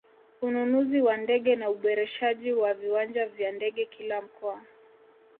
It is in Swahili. Ununuzi wa ndege na uboreshaji wa viwanja vya ndege kila mkoa